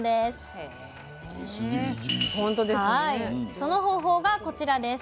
その方法がこちらです。